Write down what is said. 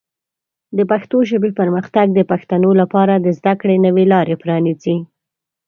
د پښتو ژبې پرمختګ د پښتنو لپاره د زده کړې نوې لارې پرانیزي.